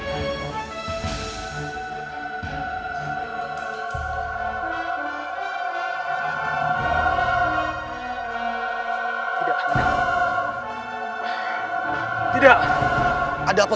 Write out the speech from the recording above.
aku sudah mencari dia